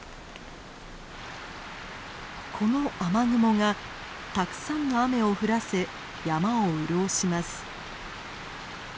この雨雲がたくさんの雨を降らせ山を潤します。